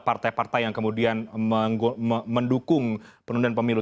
partai partai yang kemudian mendukung penundaan pemilu